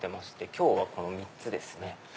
今日はこの３つですね。